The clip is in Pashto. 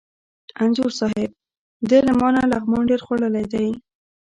انځور صاحب! ده له ما نه لغمان ډېر خوړلی دی.